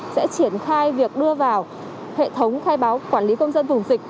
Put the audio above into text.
sẽ triển khai việc đưa vào hệ thống khai báo quản lý công dân vùng dịch